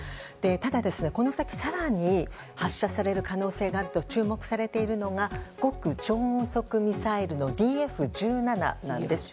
ただ、この先更に発射される可能性があると注目されているのが極超音速ミサイルのＤＦ１７なんです。